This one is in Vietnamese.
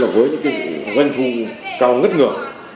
với những doanh thu cao ngất ngược